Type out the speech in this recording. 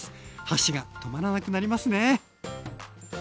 箸が止まらなくなりますね！